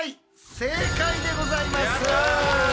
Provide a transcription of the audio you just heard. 正解でございます！